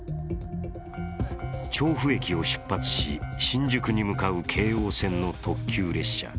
調布駅を出発し、新宿に向かう京王線の特急列車。